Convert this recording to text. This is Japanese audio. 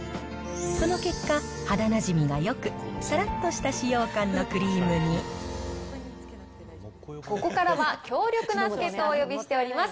その結果、肌なじみがよく、さらっとした使用感のここからは強力な助っ人をお呼びしております。